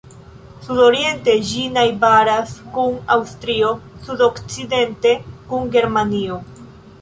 Sudoriente ĝi najbaras kun Aŭstrio, sudokcidente kun Germanio.